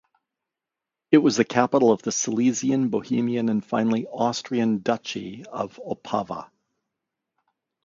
It was capital of the Silesian, Bohemian and finally Austrian Duchy of Opava.